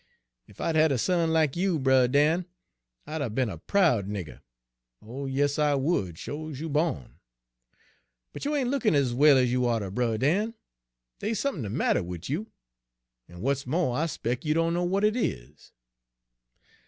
Ef I'd 'a' had a son lack you, Brer Dan, I'd 'a' be'n a proud nigger; oh, yes, I would, sho's you bawn. But you ain' lookin' ez well ez you oughter, Brer Dan. Dey's sump'n de matter wid you, en w'at's mo', I 'spec' you dunno w'at it is.'